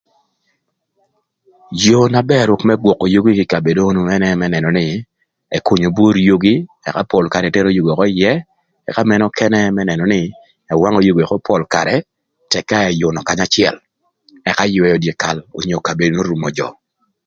Yoo na bër më gwökö yugi kï ï kabedo onu ënë më nënö nï ëkünyö bur yugi ëka pol karë etero yugi ökö ïë ëka mënë ökënë më nënö nï ëwangö yugi ökö pol karë tëkï ka ëyünö ökö kanya acël ëka ëywëö dyekal onyo kabedo n'orumo jö